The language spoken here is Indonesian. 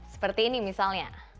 seperti ini misalnya